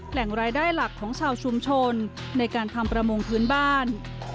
แหล่งรายได้หลักของชาวชุมชนในการทำประมงพื้นบ้าน